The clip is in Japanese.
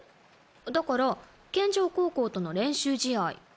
だから健丈高校との練習試合。